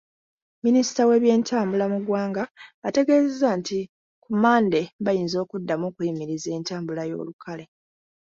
Minisita w’ebyentambula mu ggwanga ategeezezza nti ku Mmande bayinza okuddamu okuyimiriza entambula y’olukale.